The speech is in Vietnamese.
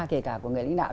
kể cả của người lĩnh đạo